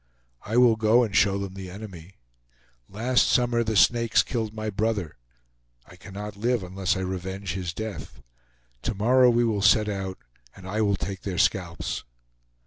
I will go and show them the enemy. Last summer the Snakes killed my brother. I cannot live unless I revenge his death. To morrow we will set out and I will take their scalps."